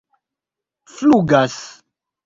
flugas